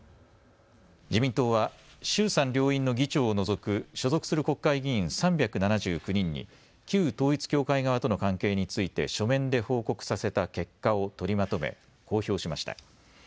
自民党は衆参両院の議長を除く所属する国会議員３７９人に旧統一教会側との関係について書面で報告させた結果を取りまとめ公表しました。